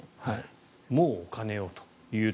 もうお金をという。